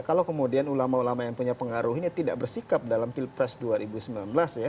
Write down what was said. kalau kemudian ulama ulama yang punya pengaruh ini tidak bersikap dalam pilpres dua ribu sembilan belas ya